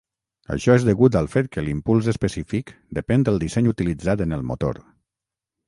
Això és degut al fet que l'impuls específic depèn del disseny utilitzat en el motor.